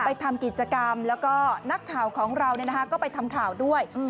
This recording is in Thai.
ทำกิจกรรมแล้วก็นักข่าวของเราก็ไปทำข่าวด้วย